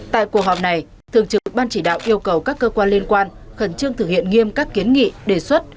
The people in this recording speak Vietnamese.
tại cuộc họp này thường trực ban chỉ đạo yêu cầu các cơ quan liên quan khẩn trương thực hiện nghiêm các kiến nghị đề xuất